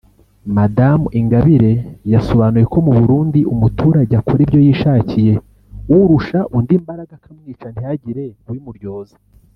Madamu Ingabire yasobanuye ko mu Burundi umuturage akora ibyo yishakiye urusha undi imbaraga akamwica ntihagire ubimuryoza